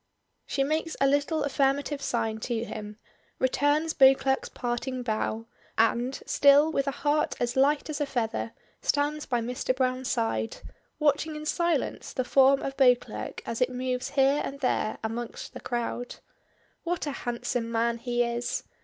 She makes a little affirmative sign to him, returns Beauclerk's parting bow, and, still with a heart as light as a feather, stands by Mr. Browne's side, watching in silence the form of Beauclerk as it moves here and there amongst the crowd. What a handsome man he is!